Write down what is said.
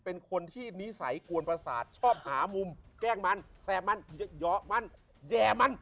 เป็นคนที่นิสัยกวนประสาทชอบหามุมแกล้งมันแซ่บมันเยอะมันแย่มัน